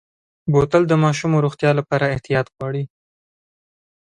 بوتل د ماشومو روغتیا لپاره احتیاط غواړي.